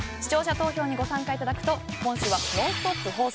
視聴者投票にご参加いただくと今週は「ノンストップ！」